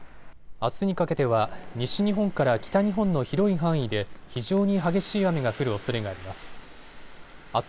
あすにかけては西日本から北日本の広い範囲で非常に激しい雨が降るおそれがあります。